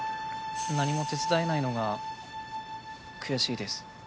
何も手伝えないのが悔しいです。